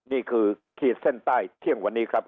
นี่คือเครียดเส้นใต้เที่ยงวันนี้ครับ